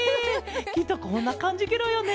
きっとこんなかんじケロよね。